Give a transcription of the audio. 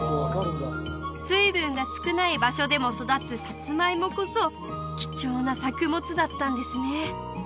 水分が少ない場所でも育つサツマイモこそ貴重な作物だったんですね